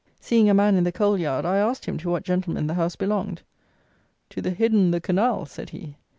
Seeing a man in the coal yard, I asked him to what gentleman the house belonged: "to the head un o' the canal," said he.